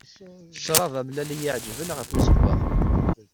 Ccrab amellal i y-iεeǧben ɣef uzeggaɣ.